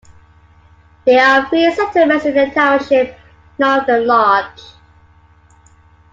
There are three settlements in the township, none of them large.